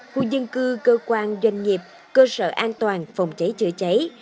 khu dân cư cơ quan doanh nghiệp cơ sở an toàn phòng cháy chữa cháy